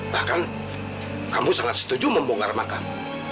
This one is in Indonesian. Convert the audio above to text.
bahkan kamu sangat setuju membongkar makam